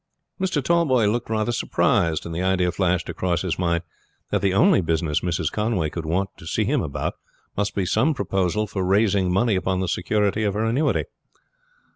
Mr. Tallboys looked rather surprised, and the idea flashed across his mind that the only business Mrs. Conway could want to see him about must be some proposal for raising money upon the security of her annuity.